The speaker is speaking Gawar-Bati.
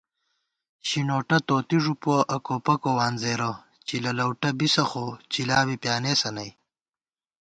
شِنوٹہ توتی ݫُپُوَہ اکو پکو وانزېرہ * چِلہ لؤٹہ بِسہ خو چِلا بی پیانېسہ نئ